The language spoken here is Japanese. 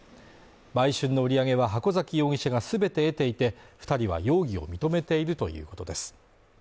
売春の売上は箱崎容疑者がすべて得ていて二人は容疑を認めているということです